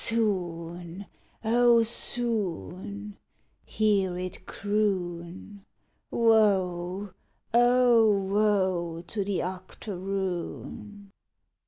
"Soon, oh, soon," hear it croon, "_Woe, oh, woe to the octoroon!